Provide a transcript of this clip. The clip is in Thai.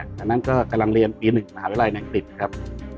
จากนั้นก็กำลังเรียนปี๑มหาวิทยาลัยอังกฤษครับ